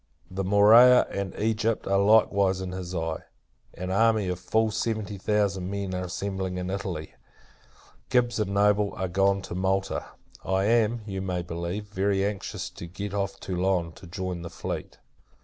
The Morea, and Egypt, are likewise in his eye. An army of full seventy thousand men are assembling in Italy. Gibbs and Noble are gone to Malta. I am, you may believe, very anxious to get off Toulon, to join the fleet.